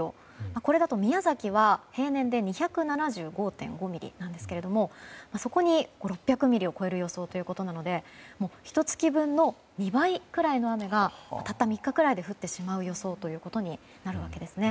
これだと宮崎は平年で２７５．５ミリなんですがそこに６００ミリを超える予想ということなのでひと月分の２倍ぐらいの雨がたった３日ぐらいで降ってしまう予想となるんですね。